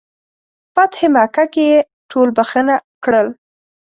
فتح مکه کې یې ټول بخښنه کړل.